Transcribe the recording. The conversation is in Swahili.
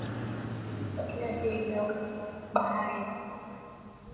lililotokea hii leo katika bahari ya pacific